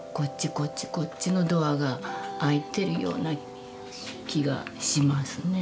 こっちこっちのドアが開いてるような気がしますね。